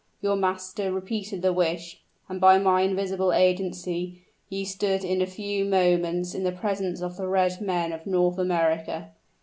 Your master repeated the wish; and by my invisible agency, ye stood in a few moments in the presence of the red men of North America.